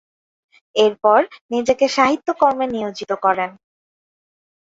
এরপর নিজেকে সাহিত্যকর্মে নিয়োজিত করেন।